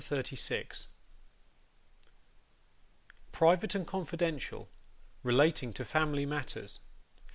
CHAPTER 36 Private and confidential; relating to Family Matters.